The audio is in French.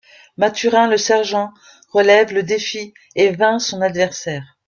Mathurin Le Sergent relève le défi et vainc son adversaire.